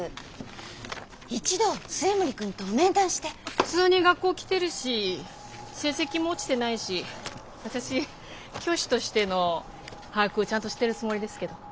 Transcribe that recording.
普通に学校来てるし成績も落ちてないし私教師としての把握をちゃんとしてるつもりですけど。